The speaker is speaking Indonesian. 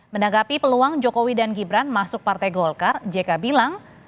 menanggapi peluang jokowi dan gibran masuk partai golkar jk bilang